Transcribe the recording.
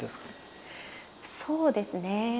そうですね。